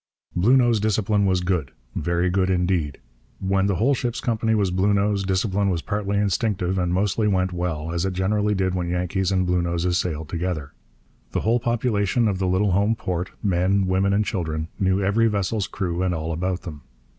Bluenose discipline was good, very good indeed. When the whole ship's company was Bluenose discipline was partly instinctive and mostly went well, as it generally did when Yankees and Bluenoses sailed together. The whole population of the little home port men, women, and children knew every vessel's crew and all about them.